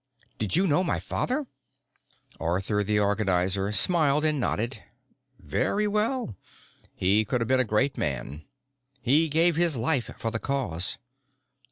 "Did you know my father?" Arthur the Organizer smiled and nodded. "Very well. He could have been a great man. He gave his life for the Cause.